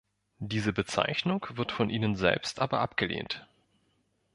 Diese Bezeichnung wird von ihnen selbst aber abgelehnt.